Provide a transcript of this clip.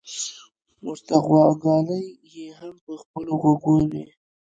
ورته غوږوالۍ يې هم په خپلو غوږو وې.